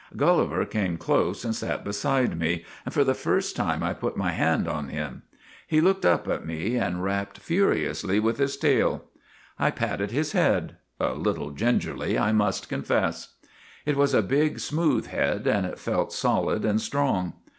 Gulliver came close and sat beside me, and for the first time I put my hand on him. He looked up at me and rapped furiously with his tail. GULLIVER THE GREAT 21 I patted his head a little gingerly, I must con fess. " It was a big, smooth head, and it felt solid and strong.